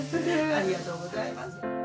ありがとうございます。